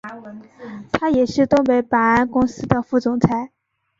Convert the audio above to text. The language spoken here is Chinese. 他也是东北保安公司的副总裁。